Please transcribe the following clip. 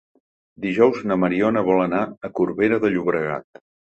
Dijous na Mariona vol anar a Corbera de Llobregat.